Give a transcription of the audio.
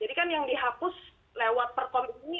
jadi kan yang dihapus lewat perkomitmen ini